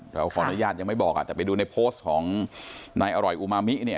ขออนุญาตยังไม่บอกแต่ไปดูในโพสต์ของนายอร่อยอุมามิเนี่ย